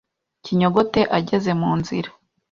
Kinyogote ageze mu nzira,